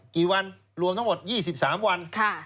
กี่วันรวมทั้งหมด๒๓วัน